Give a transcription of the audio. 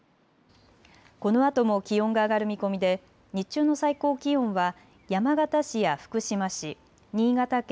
このあとも気温が上がる見込みで日中の最高気温は山形市や福島市、新潟県